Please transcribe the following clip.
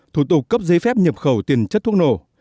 thủ tục cấp giấy phép nhập khẩu tiền chất thuốc nổ